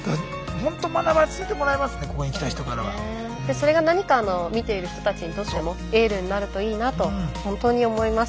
それが何かあの見ている人たちにとってもエールになるといいなと本当に思います。